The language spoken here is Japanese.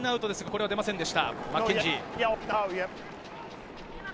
これは出ませんでした。